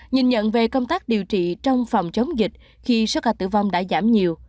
nhìn nhận về công tác điều trị trong phòng chống dịch khi số ca tử vong đã giảm nhiều